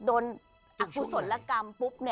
โดนอกุศลและกรรมปุ๊บ